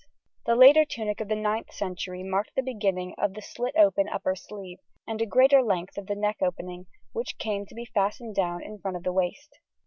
The later tunic of the 9th century marked the beginning of the slit open upper sleeve, and a greater length of the neck opening, which came to be fastened down the front to the waist.